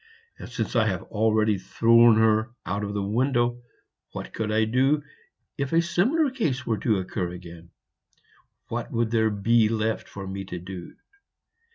And since I have already thrown her out of the window, what could I do if a similar case were to occur again? What would there be left for me to do?"